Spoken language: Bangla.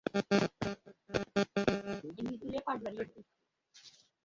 তোর পুরো পরিবার পুড়ে ছাই হয়ে যাবে।